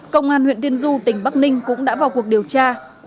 công an huyện tiên du tỉnh bắc ninh cũng đã vào cuộc điều tra